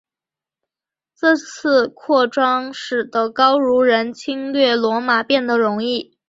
这次扩张使得高卢人侵略罗马变得容易。